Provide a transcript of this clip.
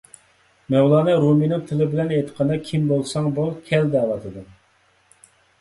مەۋلانا رۇمىينىڭ تىلى بىلەن ئېيتقاندا، كىم بولساڭ بول، كەل، دەۋاتىدۇ.